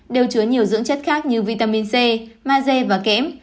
đều chứa nhiều dưỡng chất khác như vitamin c maze và kẽm